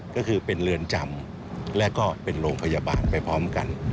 ก็คือเป็นเรือนจำและก็เป็นโรงพยาบาลไปพร้อมกัน